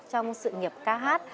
trong sự nghiệp ca hát